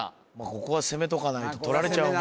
ここは攻めとかないととられちゃうもん